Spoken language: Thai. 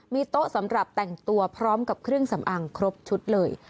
มีโต๊ะสำหรับแต่งตัวพร้อมกับเครื่องสำอางครบชุดเลย